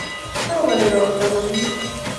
roboni ropta komie